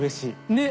ねっ。